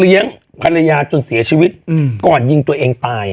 ภรรยาจนเสียชีวิตก่อนยิงตัวเองตาย